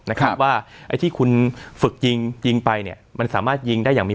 นะครับว่าไอ้ที่คุณฝึกยิงยิงไปเนี่ยมันสามารถยิงได้อย่างมี